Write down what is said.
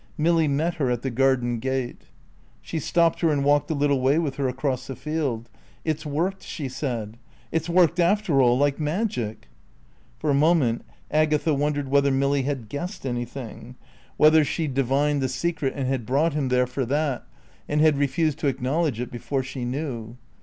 Milly met her at the garden gate. She stopped her and walked a little way with her across the field. "It's worked," she said. "It's worked after all, like magic." For a moment Agatha wondered whether Milly had guessed anything; whether she divined the Secret and had brought him there for that, and had refused to acknowledge it before she knew.